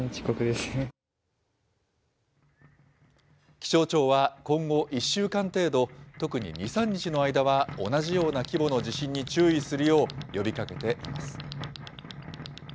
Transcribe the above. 気象庁は今後、１週間程度、特に２、３日の間は、同じような規模の地震に注意するよう呼びかけています。